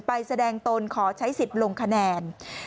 แสดงตนขอใช้สิทธิ์ลงคะแนน